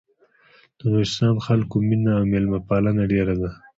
د نورستان خلکو مينه او مېلمه پالنه ډېره ده.